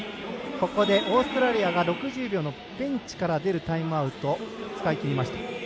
ここでオーストラリアが６０秒のベンチから出るタイムアウトを使い切りました。